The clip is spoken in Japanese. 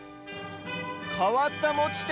かわったもちて。